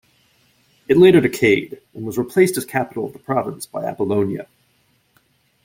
It later decayed and was replaced as capital of the province by Apollonia.